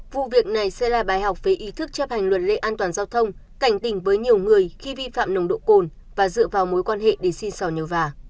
vụ việc này sẽ là bài học về ý thức chấp hành luật lệ an toàn giao thông cảnh tỉnh với nhiều người khi vi phạm nồng độ cồn và dựa vào mối quan hệ để xin sỏ nhầu vả